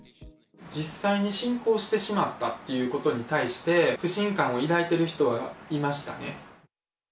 実際に侵攻してしまったっていうことに対して、不信感を抱いている人はいましたね。